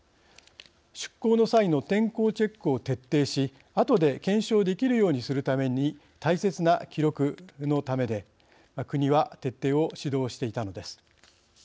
出港の際の天候チェックを徹底しあとで検証できるようにするための大切な記録のためで国は指導を徹底していたのです。